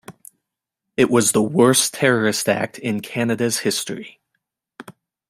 It was the worst terrorist act in Canada's history.